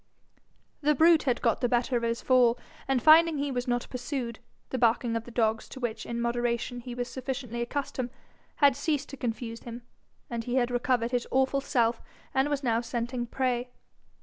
The brute had got the better of his fall, and finding he was not pursued, the barking of the dogs, to which in moderation he was sufficiently accustomed, had ceased to confuse him, he had recovered his awful self, and was now scenting prey.